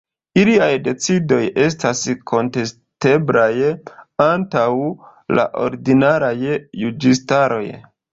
Iliaj decidoj estas kontesteblaj antaŭ la ordinaraj juĝistaroj.